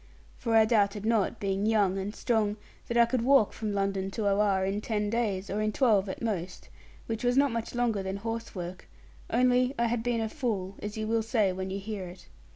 For I doubted not, being young and strong, that I could walk from London to Oare in ten days or in twelve at most, which was not much longer than horse work; only I had been a fool, as you will say when you hear it.